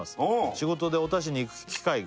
「仕事で太田市に行く機会が」